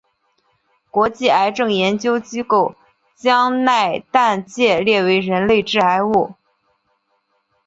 国际癌症研究机构将萘氮芥列为人类致癌物。